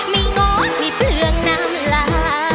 ง้อไม่เปลืองน้ำลา